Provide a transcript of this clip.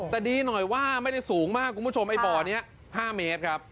แต่ดีหน่อยว่าไม่ได้สูงมากคุณผู้ชมไอ้บ่อนี้๕เมตรครับ